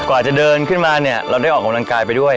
กว่าจะเดินขึ้นมาเนี่ยเราได้ออกกำลังกายไปด้วย